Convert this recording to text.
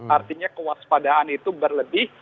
artinya kewaspadaan itu berlebih